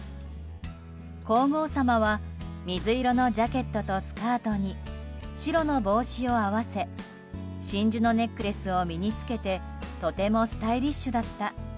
皇后さまは水色のジャケットとスカートに白の帽子を合わせ真珠のネックレスを身に着けてとてもスタイリッシュだった。